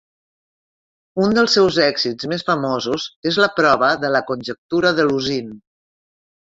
Un dels seus èxits més famosos és la prova de la conjectura de Lusin.